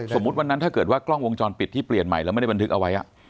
สมมุติวันนั้นถ้าเกิดว่ากล้องวงจรปิดที่เปลี่ยนใหม่แล้วไม่ได้บันทึกเอาไว้